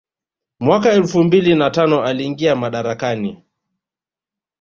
Mwaka elfu mbili na tano aliingia madarakani